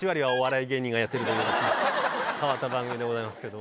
変わった番組でございますけど。